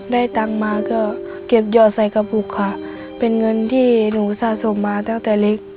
ได้ตังค์มาก็เก็บหยอดใส่กระปุกค่ะเป็นเงินที่หนูสะสมมาตั้งแต่เล็ก